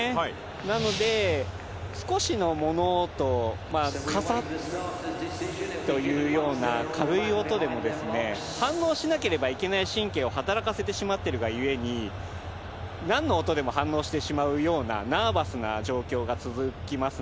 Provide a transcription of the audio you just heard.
なので少しの物音、カサっというような軽い音でも反応しなければいけない神経を働かせてしまってるが故に、何の音でも反応してしまうようなナーバスな状況が続きます。